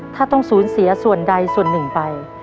ถ้าต้องสูญเสียส่วนใดส่วนหนึ่งไป